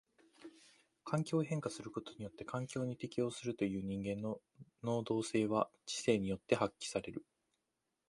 環境を変化することによって環境に適応するという人間の能動性は知性によって発揮される。